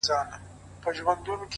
هره هڅه د بدلون پیل دی